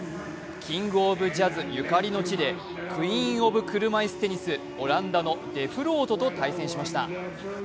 キング・オブ・ジャズゆかりの地で、クイーン・オブ・車いすテニス、オランダのデフロートと対戦しました。